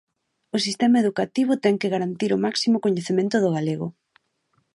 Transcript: O sistema educativo ten que garantir o máximo coñecemento do galego.